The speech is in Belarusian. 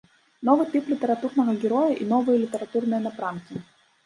Новы тып літаратурнага героя і новыя літаратурныя напрамкі.